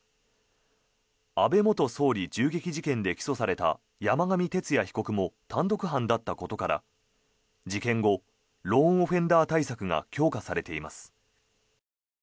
安倍元総理銃撃事件で起訴された山上徹也被告も単独犯だったことから事件後ローンオフェンダー対策が強化されています。